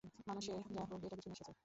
মানুষের যা হোক একটা কিছু নেশা চাই।